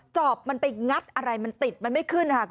จอบมันไปงัดอะไรมันติดมันไม่ขึ้นค่ะ